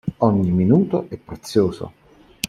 Ogni minuto è prezioso.